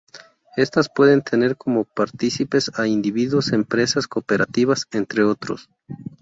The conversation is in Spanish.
Estas pueden tener como partícipes a individuos, empresas, cooperativas, entre otros.